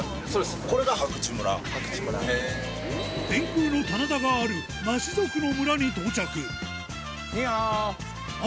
天空の棚田があるナシ族の村に到着ニイハオ！